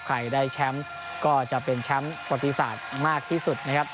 ใครได้แชมป์ก็จะเป็นแชมป์ปฏิสัตว์มากที่สุดนะครับ